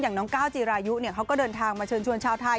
น้องก้าวจีรายุเขาก็เดินทางมาเชิญชวนชาวไทย